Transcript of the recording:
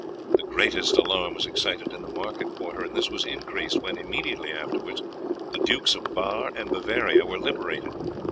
The greatest alarm was excited in the market quarter, and this was increased when, immediately afterwards, the Dukes of Bar and Bavaria were liberated.